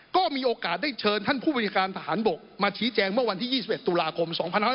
ก็มีโอกาสได้เชิญท่านผู้บริการทหารบกมาชี้แจงเมื่อวันที่๒๑ตุลาคม๒๕๖๒